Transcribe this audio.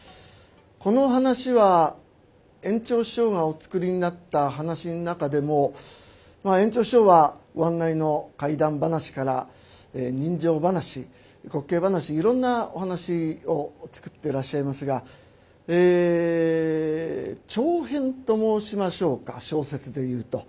この噺は圓朝師匠がお作りになった噺の中でもまあ圓朝師匠はご案内の怪談噺から人情噺滑稽噺いろんなお噺を作っていらっしゃいますがえ長編と申しましょうか小説で言うと。